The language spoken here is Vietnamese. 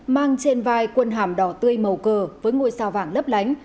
mang trên vai quân hàm đỏ tươi màu cờ với ngôi sao vàng lấp lánh